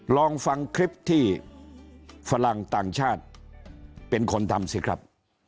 ลองฟังคลิปที่ฝรั่งต่างชาติเป็นคนทำสิครับ